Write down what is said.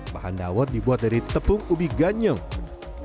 bahan dawet dibuat dari tepung ubi ganyong